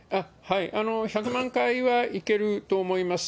１００万回はいけると思います。